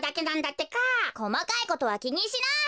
こまかいことはきにしない！